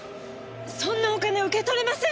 そんなお金受け取れません！